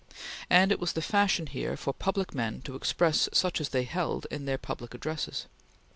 And it was the fashion here for public men to express such as they held in their public addresses.